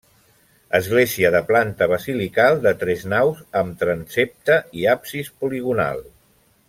Església de planta basilical de tres naus amb transsepte i absis poligonal.